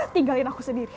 tinggalin aku sendiri reno